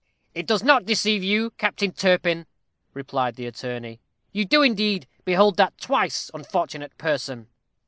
"It does not deceive you, Captain Turpin," replied the attorney; "you do, indeed, behold that twice unfortunate person."